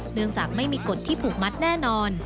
เนื่องจากไม่มีกฎที่ผูกมัดแน่นอน